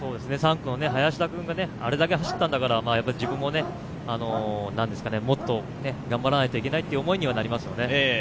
３区の林田君があれだけ走ったんだから、自分ももっと頑張らないといけないという思いにはなりますよね。